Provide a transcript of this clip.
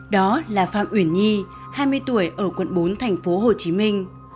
đó là phạm uyển nhi hai mươi tuổi ở quận bốn thành phố hồ chí minh